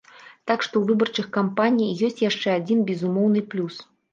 Так што ў выбарчых кампаній ёсць яшчэ адзін безумоўны плюс.